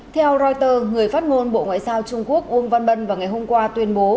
theo reuters người phát ngôn bộ ngoại giao trung quốc uông văn bân vào ngày hôm qua tuyên bố